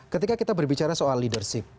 ketika kita berbicara soal leadership